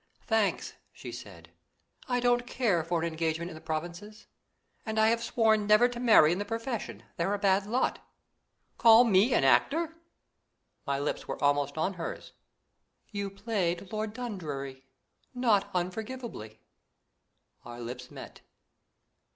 "Thanks," she said; "I don't care for an engagement in the Provinces, and I have sworn never to marry in the profession: they're a bad lot." "Call me an actor?" My lips were almost on hers. "You played Lord Dundreary not unforgivably." Our lips met!